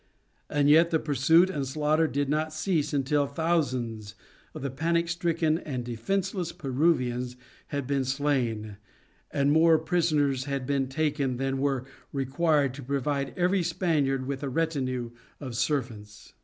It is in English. And yet the pursuit and slaughter did not cease until thousands of the panic stricken and defenceless Peruvians had been slain, and more prisoners had been taken than were required to provide every Spaniard with a retinue of servants.